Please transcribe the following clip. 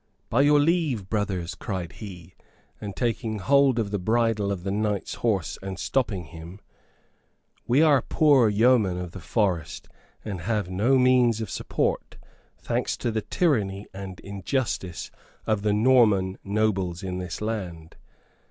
"By your leave, brothers," cried he, taking hold of the bridle of the knight's horse and stopping him, "we are poor yeomen of the forest, and have no means of support, thanks to the tyranny and injustice of the Norman nobles in this land.